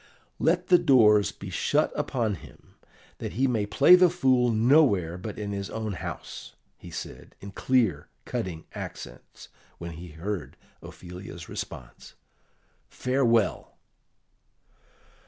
"Let the doors be shut upon him, that he may play the fool nowhere but in his own house," he said, in clear, cutting accents, when he heard Ophelia's response. "Farewell!"